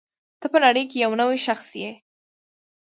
ته په نړۍ کې یو نوی شخص یې.